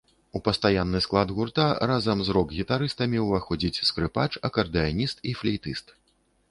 У пастаянны склад гурта, разам з рок-гітарыстамі, уваходзіць скрыпач, акардэаніст і флейтыст.